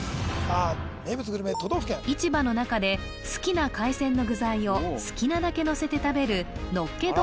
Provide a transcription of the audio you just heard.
市場の中で好きな海鮮の具材を好きなだけのせて食べるのっけ丼